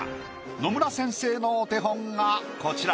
野村先生のお手本がこちら。